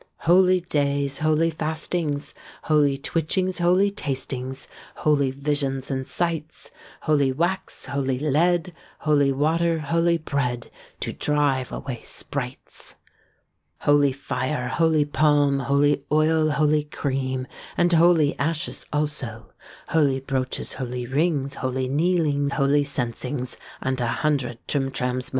Holy days, holy fastings, Holy twitchings, holy tastings Holy visions and sights, Holy wax, holy lead, Holy water, holy bread, To drive away sprites. Holy fire, holy palme, Holy oil, holy cream, And holy ashes also; Holy broaches, holy rings, Holy kneeling, holy censings, And a hundred trim trams mo.